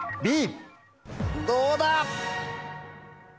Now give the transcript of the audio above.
どうだ？